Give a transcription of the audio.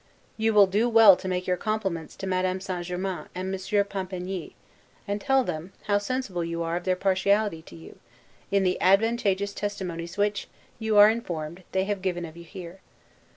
You will do well to make your compliments to Madame St. Germain and Monsieur Pampigny; and tell them, how sensible you are of their partiality to you, in the advantageous testimonies which, you are informed, they have given of you here.